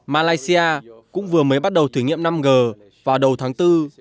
malaysia cũng vừa mới bắt đầu thử nghiệm năm g vào đầu tháng bốn